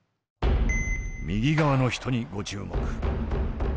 右側の人にご注目。